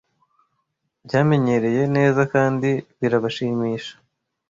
byamenyereye neza kandi birabashimisha